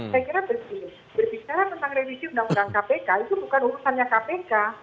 saya kira begini berbicara tentang revisi undang undang kpk itu bukan urusannya kpk